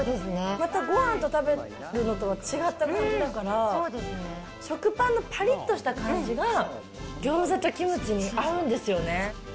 またごはんと食べるのとは違った感じだから、食パンのぱりっとした感じが、ギョーザとキムチに合うんですよね。